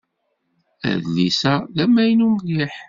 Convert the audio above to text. Adlis-a d amaynu mliḥ.